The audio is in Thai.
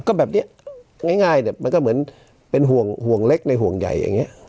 ก็แบบนี้ง่ายเนี่ยมันก็เหมือนเป็นห่วงห่วงเล็กในห่วงใหญ่อย่างนี้